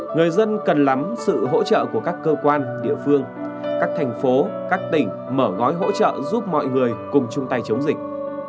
người dân cần lắm sự hỗ trợ của các cơ quan địa phương các thành phố các tỉnh mở gói hỗ trợ giúp mọi người cùng chung tay chống dịch